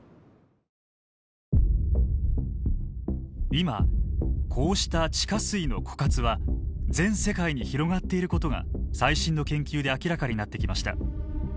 今こうした地下水の枯渇は全世界に広がっていることが最新の研究で明らかになってきました。